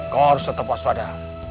kau harus tetap waspada